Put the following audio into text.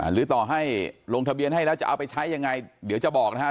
หรือต่อให้ลงทะเบียนให้แล้วจะเอาไปใช้ยังไงเดี๋ยวจะบอกนะฮะ